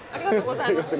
すいません。